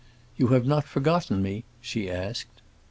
"You have not forgotten me?" she asked.